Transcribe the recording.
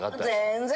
全然！